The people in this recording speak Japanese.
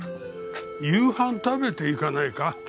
夕飯食べて行かないか？